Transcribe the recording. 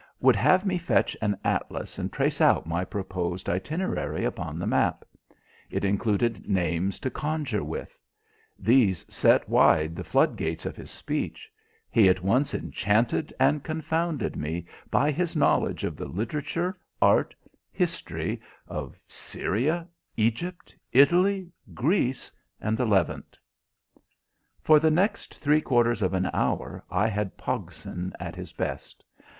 Would have me fetch an atlas and trace out my proposed itinerary upon the map. It included names to conjure with. These set wide the flood gates of his speech. He at once enchanted and confounded me by his knowledge of the literature, art, history, of Syria, Egypt, Italy, Greece, and the Levant. For the next three quarters of an hour I had Pogson at his best.